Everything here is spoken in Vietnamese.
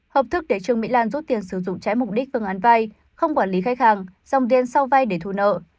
hợp thức để trương mỹ lan rút tiền sử dụng trái mục đích phương án vay không quản lý khách hàng dòng tiền sau vay để thu nợ